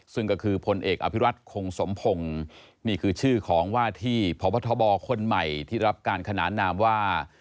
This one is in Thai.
ซึ่งก็คือพลเอกอภิรัตคงสมพงศ์นี่คือชื่อของว่าที่พบทบคนใหม่ที่รับการขนานนามว่า